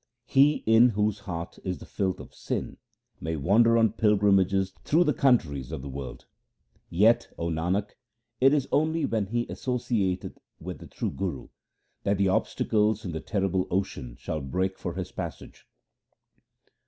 He in whose heart is the filth of sin May wander on pilgrimages through the countries of the world ; Yet, O Nanak, it is only when he associateth with the true Guru That the obstacles in the terrible ocean shall break for his passage.